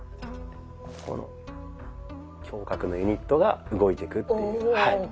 ここの胸郭のユニットが動いてくっていう。